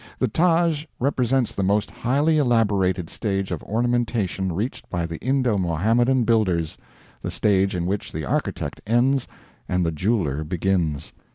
The Taj represents the most highly elaborated stage of ornamentation reached by the Indo Mohammedan builders, the stage in which the architect ends and the jeweler begins.